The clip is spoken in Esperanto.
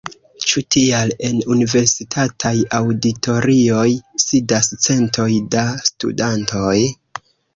Ĉu tial en universitataj aŭditorioj sidas centoj da studantoj?